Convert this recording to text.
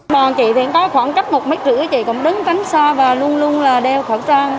bọn chị thì có khoảng cách một m ba mươi chị cũng đứng cánh xa và luôn luôn là đeo khẩu trang